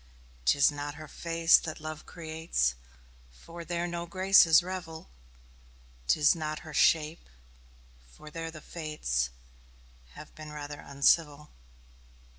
'Tis not her face that love creates, For there no graces revel; 'Tis not her shape, for there the fates Have rather been uncivil.